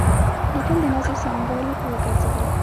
لیکل د نظم سمبول وګرځېدل.